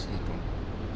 saya kan bukan dari psi